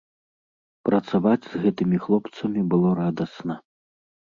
Працаваць з гэтымі хлопцамі было радасна.